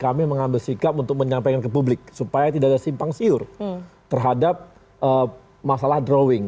kami mengambil sikap untuk menyampaikan ke publik supaya tidak ada simpang siur terhadap masalah drawing